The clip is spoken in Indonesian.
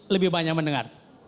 lebih banyak mendengar